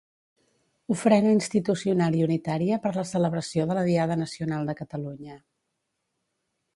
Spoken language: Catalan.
Ofrena institucional i unitària per la celebració de la Diada Nacional de Catalunya.